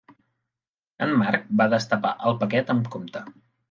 En Marc va destapar el paquet amb compte.